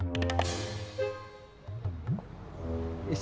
masih aja mas